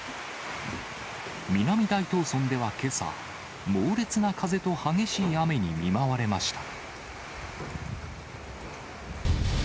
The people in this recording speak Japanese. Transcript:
南大東村ではけさ、猛烈な風と激しい雨に見舞われました。